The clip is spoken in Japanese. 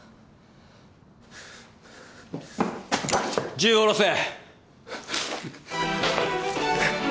銃を下ろせ。